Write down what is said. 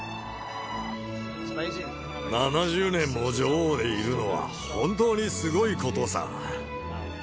７０年も女王でいるのは本当にすごいことさ。